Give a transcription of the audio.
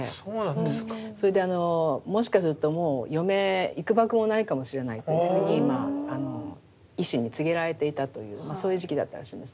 それでもしかするともう余命いくばくもないかもしれないというふうに医師に告げられていたというそういう時期だったらしいんですね。